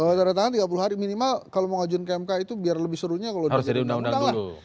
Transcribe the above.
tandatangan tiga puluh hari minimal kalau mau ajukan ke mk itu biar lebih serunya kalau sudah jadi undang undang dulu